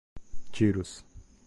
Tiros